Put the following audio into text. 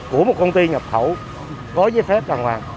của một công ty nhập khẩu có giấy phép đàng hoàng